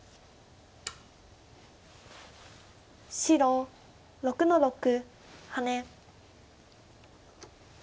白６の六ハネ。